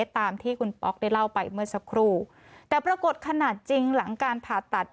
ตามที่คุณป๊อกได้เล่าไปเมื่อสักครู่แต่ปรากฏขนาดจริงหลังการผ่าตัด